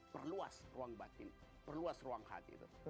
perluas ruang batin perluas ruang hati itu